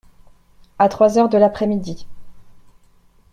À trois heures de l’après-midi.